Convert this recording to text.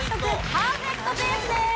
パーフェクトペースです。